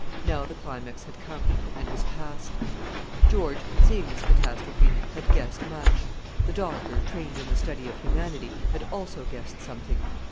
Now the climax had come; and was passed. George, seeing this catastrophe, had guessed much; the doctor, trained in the study of humanity, had also guessed something.